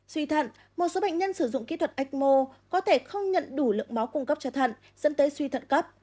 suy thận một số bệnh nhân sử dụng kỹ thuật ecmo có thể không nhận đủ lượng máu cung cấp cho thận dẫn tới suy thận cấp